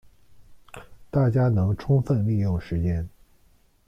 大家能充分利用时间